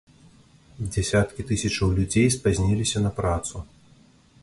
Дзясяткі тысячаў людзей спазніліся на працу.